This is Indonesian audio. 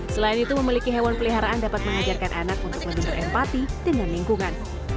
selain itu memiliki hewan peliharaan dapat mengajarkan anak untuk lebih berempati dengan lingkungan